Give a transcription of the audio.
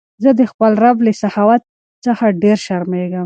زه د خپل رب له سخاوت څخه ډېر شرمېږم.